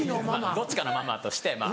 どっちかのママとしてまぁ。